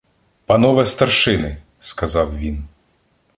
— Панове старшини! — сказав він.